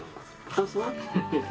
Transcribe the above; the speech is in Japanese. あそう？